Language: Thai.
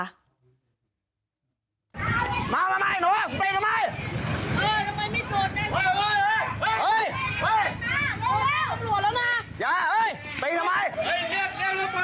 เอ้าทำไมหนูตีทำไม